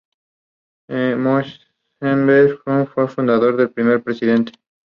Mohamed Al-Krewi fu su fundador y primer presidente.